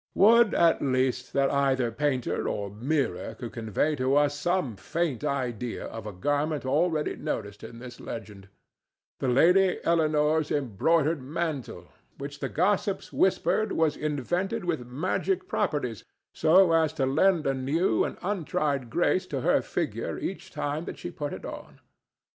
Would, at least, that either painter or mirror could convey to us some faint idea of a garment already noticed in this legend—the Lady Eleanore's embroidered mantle, which the gossips whispered was invested with magic properties, so as to lend a new and untried grace to her figure each time that she put it on!